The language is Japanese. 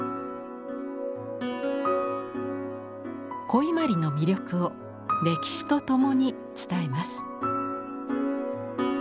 古伊万里の魅力を歴史とともに伝えます。